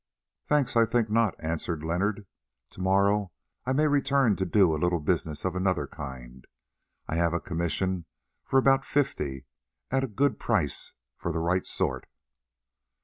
"Thanks, I think not," answered Leonard. "To morrow I may return to do a little business of another kind. I have a commission for about fifty, at a good price for the right sort."